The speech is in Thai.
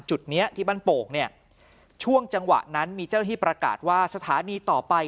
จุดนี้ที่บ้านโป่งเนี่ยช่วงจังหวะนั้นมีเจ้าหน้าที่ประกาศว่าสถานีต่อไป